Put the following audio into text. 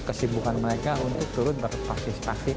kesibukan mereka untuk turut berpartisipasi